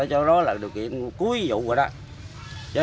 điều kiện cuối vụ rồi đó